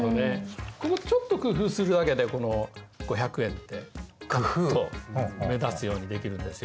ここちょっと工夫するだけでこの「５００円」ってガクッと目立つようにできるんですよ。